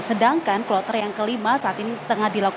sedangkan kloter yang kelima saat ini tengah dilakukan